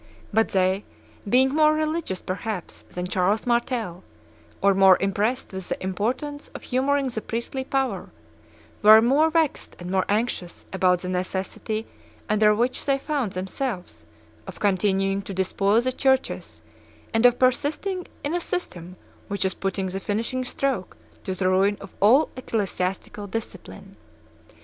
But they, being more religious, perhaps, than Charles Martel, or more impressed with the importance of humoring the priestly power, were more vexed and more anxious about the necessity under which they found themselves of continuing to despoil the churches and of persisting in a system which was putting the finishing stroke to the ruin of all ecclesiastical discipline.